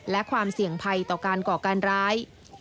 และความเสี่ยงภัยต่อการก่อการร้าย